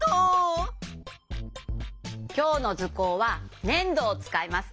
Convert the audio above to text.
きょうのずこうはねんどをつかいます。